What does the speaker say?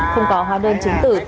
không có hóa đơn chứng tử